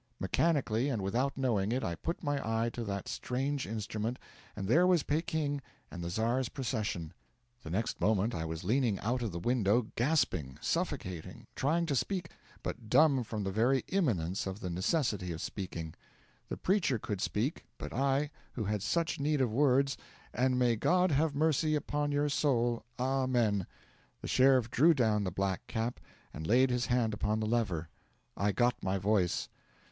Mechanically and without knowing it, I put my eye to that strange instrument, and there was Peking and the Czar's procession! The next moment I was leaning out of the window, gasping, suffocating, trying to speak, but dumb from the very imminence of the necessity of speaking. The preacher could speak, but I, who had such need of words 'And may God have mercy upon your soul. Amen.' The sheriff drew down the black cap, and laid his hand upon the lever. I got my voice.